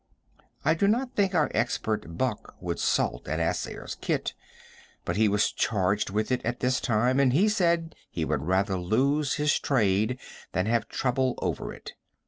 I do not think our expert, Buck, would salt an assayer's kit, but he was charged with it at this time, and he said he would rather lose his trade than have trouble over it.